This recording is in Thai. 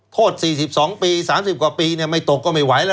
โทษ๔๒ปี๓๐กว่าปีไม่ตกก็ไม่ไหวแล้ว